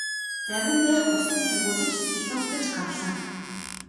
Завин дээрх усан цэргүүд ч сэлүүрдэж гарлаа.